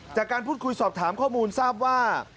จากการพูดคุยสอบถามข้อมูลทราบว่า